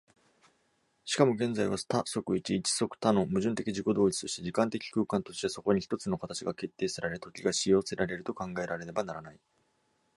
しかも現在は多即一一即多の矛盾的自己同一として、時間的空間として、そこに一つの形が決定せられ、時が止揚せられると考えられねばならない。